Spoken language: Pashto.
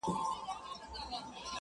ما ويل وېره مي پر زړه پرېوته _